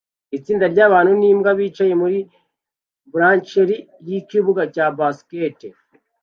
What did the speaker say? Itsinda ryabantu nimbwa bicaye muri blachers yikibuga cya basket